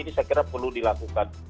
ini saya kira perlu dilakukan